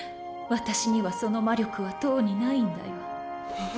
私にはその魔力はとうにないんだよ。